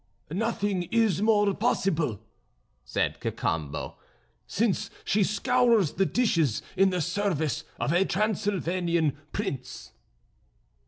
"Nothing is more possible," said Cacambo, "since she scours the dishes in the service of a Transylvanian prince."